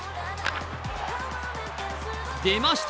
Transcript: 出ました！